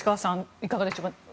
いかがでしょうか。